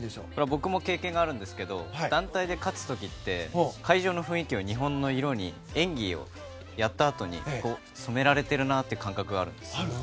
僕も経験があるんですが団体で勝つ時って会場の雰囲気を日本の色に演技をやったあとに染められているなという感覚があるんです。